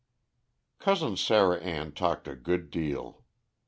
_ Cousin Sarah Ann talked a good deal.